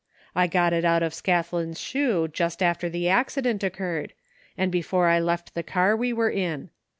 I got it out of Scathlin's shoe, just after the accident occurred, and before I left the car we were in.